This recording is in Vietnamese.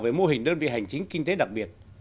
về mô hình đơn vị hành chính kinh tế đặc biệt